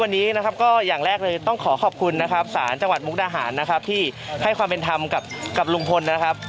วันนี้อย่างแรกต้องขอขอบคุณสารจังหวัดมุกนาหารที่ให้ความเป็นธรรมกับลุงควร